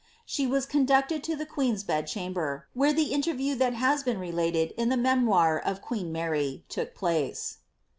"' She was conducted to the queen's bed chamber, where the interview that has been related in the memoir of queen Mary took place.'